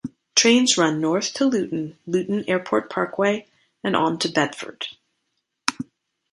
Trains run north to Luton, Luton Airport Parkway and on to Bedford.